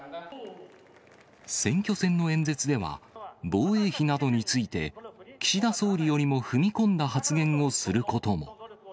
選挙戦の演説では、防衛費などについて、岸田総理よりも踏み込んだ発言をすることも。